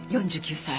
４９歳。